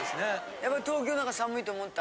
やっぱり東京なんか寒いと思った？